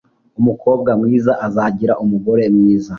Umukobwa mwiza azagira umugore mwiza.